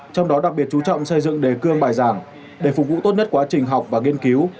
trong đó đặc biệt chú trọng xây dựng đề cương bài giảng để phục vụ tốt nhất quá trình học và nghiên cứu